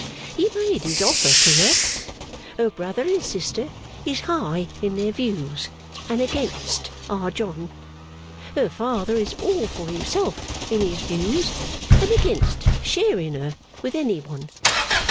He made his offer to her. Her brother and sister is high in their views, and against Our John. Her father is all for himself in his views and against sharing her with any one.